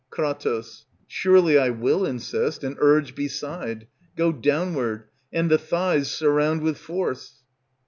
Kr. Surely I will insist and urge beside; Go downward, and the thighs surround with force.